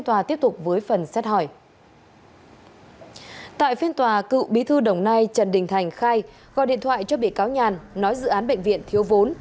tại phiên tòa cựu bí thư đồng nai trần đình thành khai gọi điện thoại cho bị cáo nhàn nói dự án bệnh viện thiếu vốn